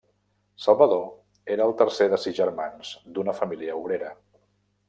Salvador era el tercer de sis germans d'una família obrera.